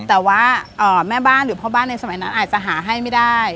แต่ว่าแม่บ้านหรือพ่อบ้านในสมัยนั้นอาจจะหาให้ไม่ได้